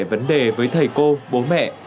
vấn đề với thầy cô bố mẹ